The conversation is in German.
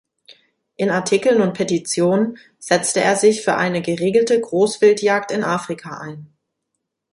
In Artikeln und Petitionen setzte er sich für eine geregelte Großwildjagd in Afrika ein.